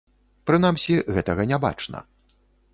Прынамсі, гэтага не бачна.